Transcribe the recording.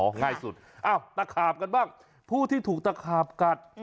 ง่ายสุดอ้าวตะขาบกันบ้างผู้ที่ถูกตะขาบกัด